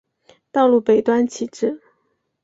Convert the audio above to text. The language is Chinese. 道路北端起自。